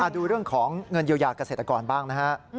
ดูเรื่องของเงินเยียวยาเกษตรกรบ้างนะฮะ